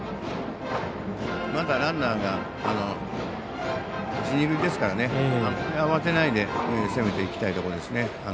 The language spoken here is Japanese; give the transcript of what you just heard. まだランナーが一、二塁ですから慌てないで攻めていきたいところですね